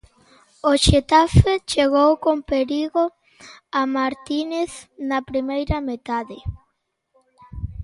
O Xetafe chegou con perigo a Martínez na primeira metade.